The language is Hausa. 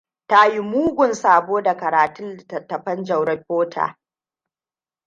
Ta yi mugun sabo da karatun littafan Jauro Potter.